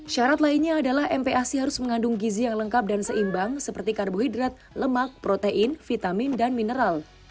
syarat lainnya adalah mpac harus mengandung gizi yang lengkap dan seimbang seperti karbohidrat lemak protein vitamin dan mineral